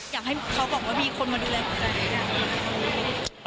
อยากให้เขาบอกว่ามีคนมาดูแลกับเธอ